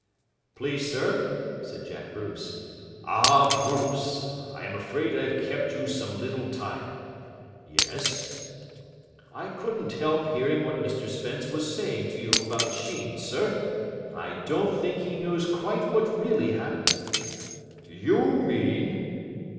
"Please sir " said Jack Bruce. "Ah, Bruce. I am afraid I have kept you some little time. Yes? "I couldn't help hearing what Mr Spence was saying to you about Sheen, sir. I don't think he knows quite what really happened." "You mean